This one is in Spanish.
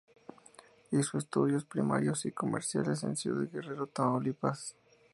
Hizo estudios primarios y comerciales en Ciudad Guerrero, Tamaulipas.